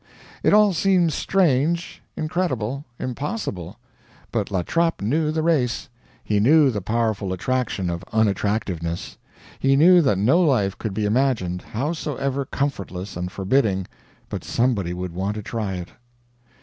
It all seems strange, incredible, impossible. But La Trappe knew the race. He knew the powerful attraction of unattractiveness; he knew that no life could be imagined, howsoever comfortless and forbidding, but somebody would want to try it.